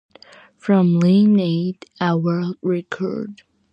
From lane eight, a world record.